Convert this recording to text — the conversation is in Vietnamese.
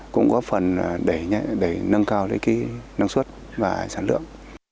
cũng có phần để nâng cao cái năng suất và sản lượng